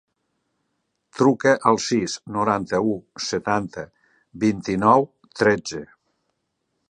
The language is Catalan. Truca al sis, noranta-u, setanta, vint-i-nou, tretze.